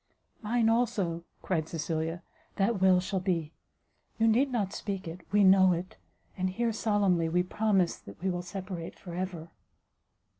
"Mine, also," cried Cecilia, "that will shall be; you need not speak it, we know it, and here solemnly we promise that we will separate for ever."